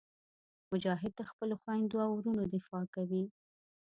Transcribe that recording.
مجاهد د خپلو خویندو او وروڼو دفاع کوي.